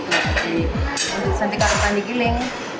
jadi untuk santikan rupanya di giling